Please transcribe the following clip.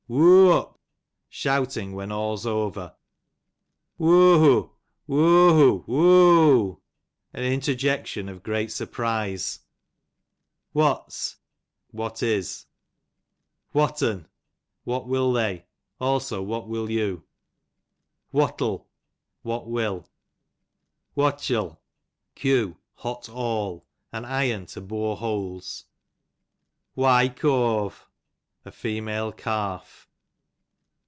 Whoo up, shouting when all's over. Whoo who, vvhoo who, whoo ! an interjection of great surprise, Whot, %1 hat. What's, what is. Whott'n, what will they ; also what will you. Whottle, ii'hat will. Whotyel, q. hot awl, an iron to bore holes. Why kawve, a female calf.